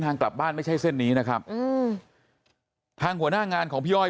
ทางกลับบ้านไม่ใช่เส้นนี้นะครับอืมทางหัวหน้างานของพี่อ้อย